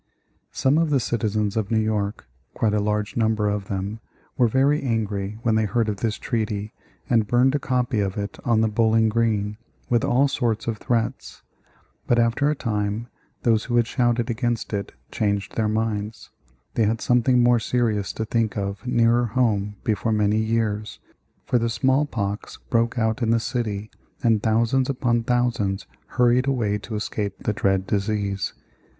Some of the citizens of New York, quite a large number of them, were very angry when they heard of this treaty and burned a copy of it on the Bowling Green, with all sorts of threats. But after a time those who had shouted against it changed their minds. They had something more serious to think of nearer home before many years, for the small pox broke out in the city and thousands upon thousands hurried away to escape the dread disease.